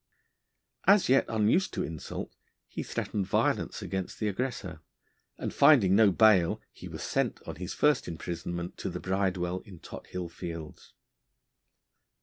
As yet unused to insult, he threatened violence against the aggressor, and finding no bail he was sent on his first imprisonment to the Bridewell in Tothill Fields.